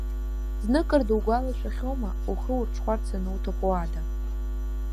Зныкыр дугәалашәахьоума, ухы урҽхәарц ануҭаху ада!